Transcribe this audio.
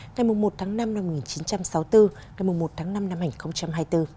ngày một tháng năm năm một nghìn chín trăm sáu mươi bốn ngày một tháng năm năm hai nghìn hai mươi bốn